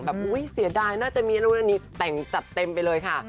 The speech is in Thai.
อุ๊ยเสียดายน่าจะมีนู่นอันนี้แต่งจัดเต็มไปเลยค่ะ